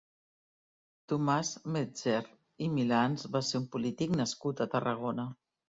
Tomàs Metzger i Milans va ser un polític nascut a Tarragona.